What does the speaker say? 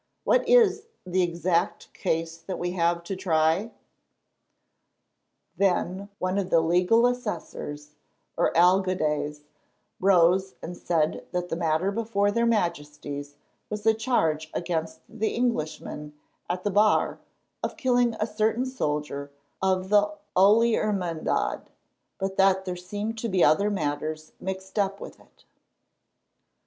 "What is the exact case that we have to try?" Then one of the legal assessors, or alcaldes, rose and said that the matter before their Majesties was a charge against the Englishman at the bar of killing a certain soldier of the Holy Hermandad, but that there seemed to be other matters mixed up with it.